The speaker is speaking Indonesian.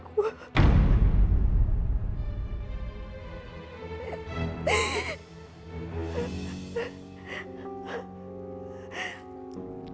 kau udah bener bener tinggalin aku